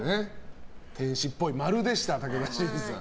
天使っぽい、○でした武田真治さん。